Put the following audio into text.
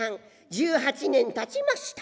１８年たちました。